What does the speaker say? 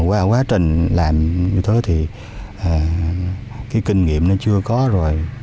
qua quá trình làm như thế thì cái kinh nghiệm nó chưa có rồi